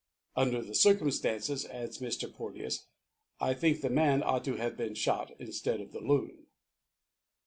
"Under the circumstances," adds Mr. Porteous, "I think the man ought to have been shot instead of the Loon."